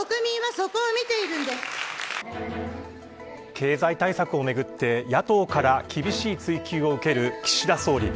経済対策をめぐって野党から厳しい追及を受ける岸田総理。